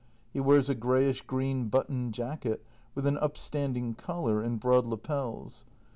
He wears a greyish green buttoned jacket with an upstanding collar and broad lappels.